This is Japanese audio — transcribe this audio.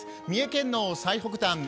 三重県の最北端